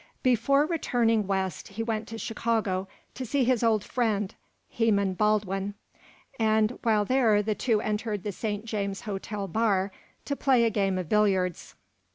Before returning west he went to Chicago to see his old friend, Heman Baldwin, and while there the two entered the St. James Hotel bar to play a game of billiards.